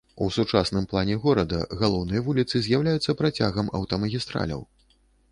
У сучасным плане горада галоўныя вуліцы з'яўляюцца працягам аўтамагістраляў.